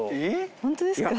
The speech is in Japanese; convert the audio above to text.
本当ですか？